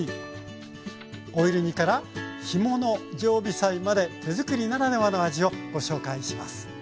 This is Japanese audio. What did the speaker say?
オイル煮から干物常備菜まで手づくりならではの味をご紹介します。